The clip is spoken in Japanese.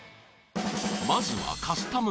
［まずはカスタムグルメ］